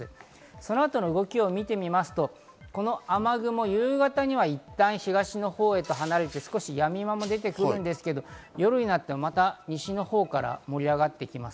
そのあとの動きを見てみますと、この雨雲、夕方にはいったん東のほうへ離れて、やみ間も出てくるんですけど、夜になってまた西のほうから盛り上がってきます。